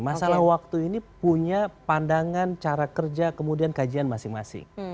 masalah waktu ini punya pandangan cara kerja kemudian kajian masing masing